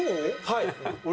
はい。